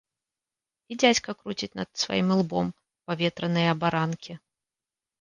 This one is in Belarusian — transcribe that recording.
І дзядзька круціць над сваім ілбом паветраныя абаранкі.